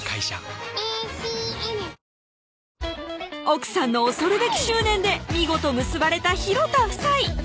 奥さんの恐るべき執念で見事結ばれた廣田夫妻